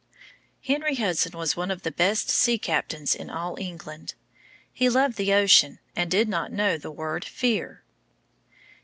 Henry Hudson was one of the best sea captains in all England. He loved the ocean, and he did not know the word "fear."